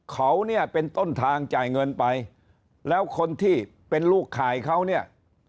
เขาเนี่ยเป็นต้นทางจ่ายเงินไปแล้วคนที่เป็นลูกข่ายเขาเนี่ย